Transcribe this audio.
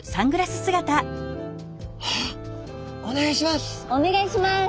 あっお願いします。